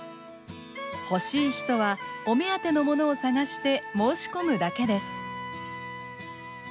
欲しい人はお目当てのものを探して申し込むだけです。